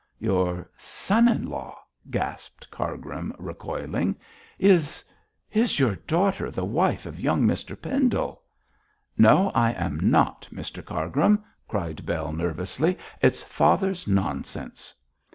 'Your son in law,' gasped Cargrim, recoiling. 'Is is your daughter the wife of young Mr Pendle?' 'No, I am not, Mr Cargrim,' cried Bell, nervously. 'It's father's nonsense.'